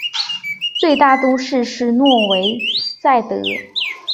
最大都市是诺维萨德。